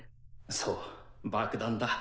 そう爆弾だ。